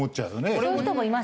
そういう人もいます。